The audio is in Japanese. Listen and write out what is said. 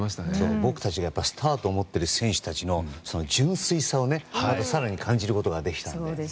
僕たちがスターと思っている選手たちの純粋さを更に感じることができましたね。